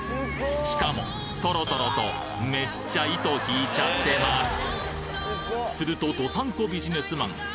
しかもトロトロとめっちゃ糸ひいちゃってますすると道産子ビジネスマン